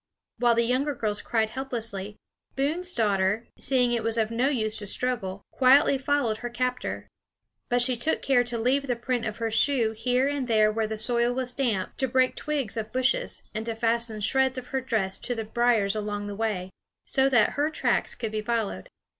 While the younger girls cried helplessly, Boone's daughter, seeing it was of no use to struggle, quietly followed her captor. But she took care to leave the print of her shoe here and there where the soil was damp, to break twigs of bushes, and to fasten shreds of her dress to the briers along the way, so that her tracks could be followed.